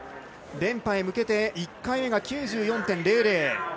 連覇へ向けて１回目が９４．００。